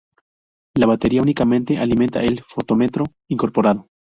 La batería únicamente alimenta el fotómetro incorporado.